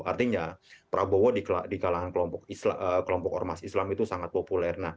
artinya prabowo di kalangan kelompok ormas islam itu sangat populer